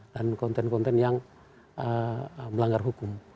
dan konten konten yang melanggar hukum